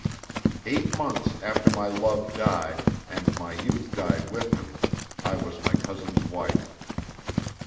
Eight months after my love died, and my youth died with him, I was my cousin's wife.